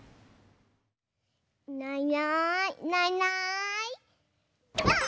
いないいないいないいないばあっ！